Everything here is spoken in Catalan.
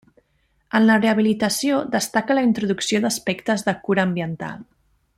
En la rehabilitació destaca la introducció d'aspectes de cura ambiental.